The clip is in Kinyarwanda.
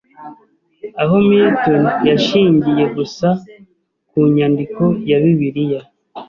aho Milton yashingiye gusa ku nyandiko ya Bibiliya